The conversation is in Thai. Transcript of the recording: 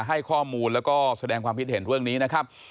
ให้ข้อมูลและก็แสดงความพิสิทธิ์เห็นนี้นะครับ